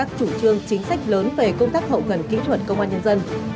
các chủ trương chính sách lớn về công tác hậu cần kỹ thuật công an nhân dân